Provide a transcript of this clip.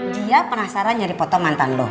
dia penasaran nyari foto mantan lu